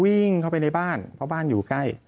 เคริหนทางเขาไปในบ้านเพราะบ้างอยู่ใกล้